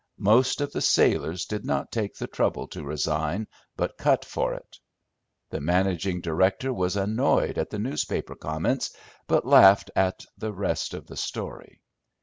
Most of the sailors did not take the trouble to resign, but cut for it. The managing director was annoyed at the newspaper comments, but laughed at the rest of the story.